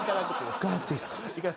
いかなくていいっすか。